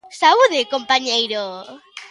Saúde, compañeiro.